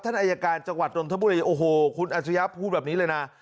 อายการจังหวัดนทบุรีโอ้โหคุณอัจฉริยะพูดแบบนี้เลยนะ